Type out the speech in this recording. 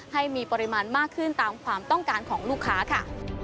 ให้มีปริมาณมากขึ้นตามความต้องการของลูกค้าค่ะ